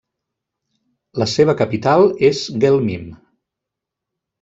La seva capital és Guelmim.